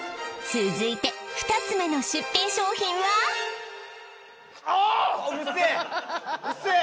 続いて２つ目の出品商品はうるせえ！